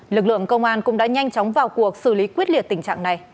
lực lượng công an cũng đã nhanh chóng vào cuộc xử lý quyết liệt tình trạng này